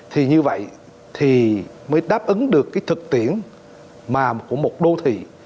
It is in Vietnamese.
thì như vậy thì mới đáp ứng được cái thực tiễn của một đô thị